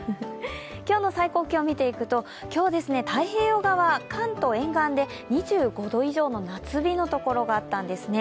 今日の最高気温を見ていくと太平洋側、関東沿岸で２５度以上の夏日のところがあったんですね。